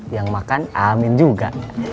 yang makan aamin juga